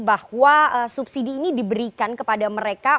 bahwa subsidi ini diberikan kepada mereka